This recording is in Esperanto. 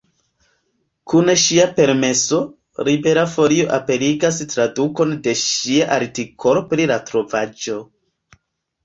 Kun ŝia permeso, Libera Folio aperigas tradukon de ŝia artikolo pri la trovaĵo.